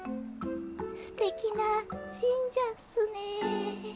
ステキな神社っすねえ。